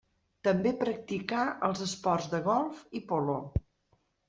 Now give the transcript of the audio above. També practicà els esports de golf i polo.